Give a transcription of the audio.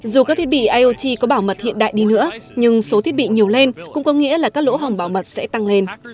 dù các thiết bị iot có bảo mật hiện đại đi nữa nhưng số thiết bị nhiều lên cũng có nghĩa là các lỗ hổng bảo mật sẽ tăng lên